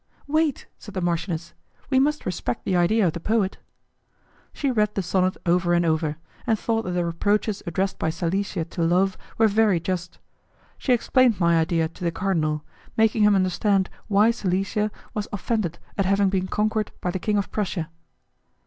"Wait," said the marchioness, "we must respect the idea of the poet." She read the sonnet over and over, and thought that the reproaches addressed by Silesia to Love were very just. She explained my idea to the cardinal, making him understand why Silesia was offended at having been conquered by the King of Prussia.